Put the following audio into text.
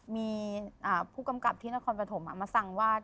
มีผู้กำกับที่นครปฐมมาสั่งว่า